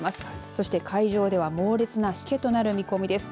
そして海上では猛烈なしけとなる見込みです。